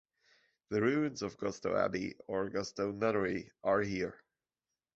The ruins of Godstow Abbey, or Godstow Nunnery, are here.